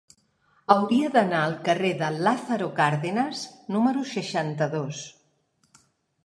Hauria d'anar al carrer de Lázaro Cárdenas número seixanta-dos.